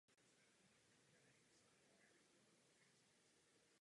Další hudební studia absolvoval v Itálii.